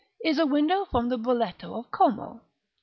is a window from the Broletto of Como.